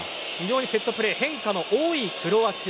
セットプレー変化の多いクロアチア。